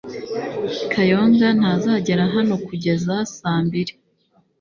Kayonga ntazagera hano kugeza saa mbiri